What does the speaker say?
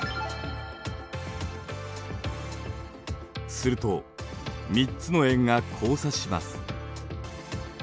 すると３つの円が交差します。